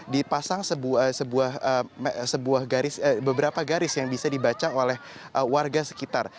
dipasang beberapa garis yang bisa dibaca oleh warga sekitar